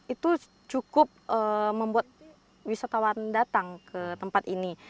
itu cukup membuat wisatawan datang ke tempat ini